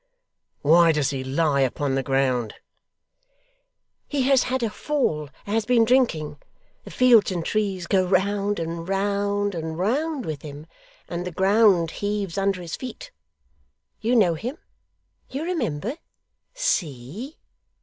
'Why does he lie upon the ground?' 'He has had a fall, and has been drinking. The fields and trees go round, and round, and round with him, and the ground heaves under his feet. You know him? You remember? See!